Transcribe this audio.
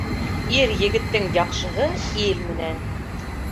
Ир-егеттең яҡшыһы ил менән.